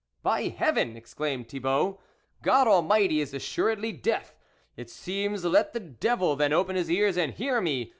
" By Heaven !" exclaimed Thibault, " God Almighty is assuredly deaf, itseems Let the Devil then open his ears and hear me